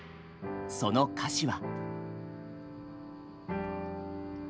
その歌詞は。